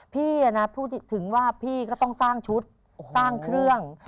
พี่พูดถึงว่าพี่ก็ต้องสร้างชุดสร้างเครื่อง